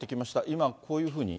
今、こういうふうに。